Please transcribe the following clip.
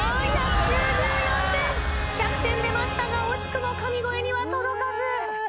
１００点出ましたが惜しくも神声には届かず。